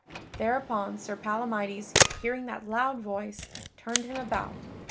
Thereupon Sir Palamydes, hearing that loud voice, turned him about.